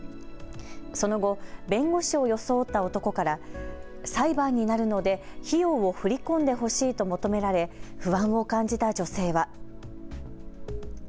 その後、弁護士を装った男から裁判になるので費用を振り込んでほしいと求められ不安を感じた女性は。